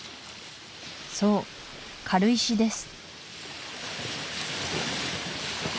そう軽石です